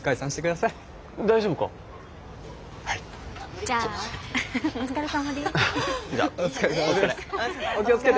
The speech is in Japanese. じゃあお疲れさまです。